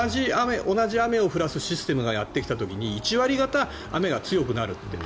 同じ雨を降らせるシステムがやってきた時に１割方、雨が強くなるって。